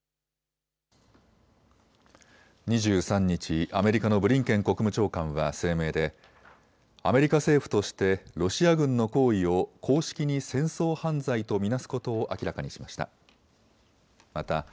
２３日、アメリカのブリンケン国務長官は声明で、アメリカ政府としてロシア軍の行為を公式に戦争犯罪と見なすことを明らかにしました。